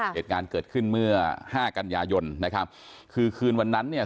เหตุการณ์เกิดขึ้นเมื่อห้ากันยายนนะครับคือคืนวันนั้นเนี่ย